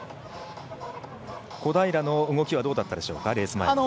小平の動きはどうだったでしょうか、レース前。